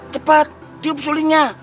cepat tiup sulingnya